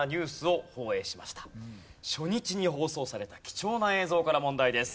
初日に放送された貴重な映像から問題です。